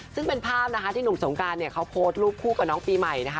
ซึ่งเป็นภาพนะคะที่หนุ่มสงการเนี่ยเขาโพสต์รูปคู่กับน้องปีใหม่นะคะ